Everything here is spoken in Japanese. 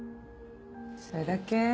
それだけ？